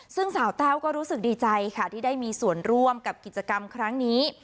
ซึ่งสาวแต้วก็รู้สึกดีใจค่ะที่ได้มีส่วนร่วมกับกิจกรรมครั้งนี้